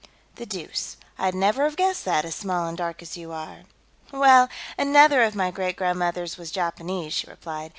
"The deuce; I'd never have guessed that, as small and dark as you are." "Well, another of my great grandmothers was Japanese," she replied.